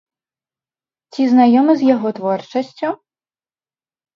Ці знаёмы з яго творчасцю?